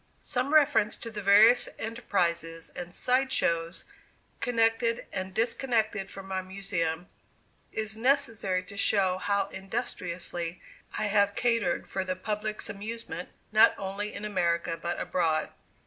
Some reference to the various enterprises and "side shows" connected with and disconnected from my Museum, is necessary to show how industriously I have catered for the public's amusement, not only in America but abroad.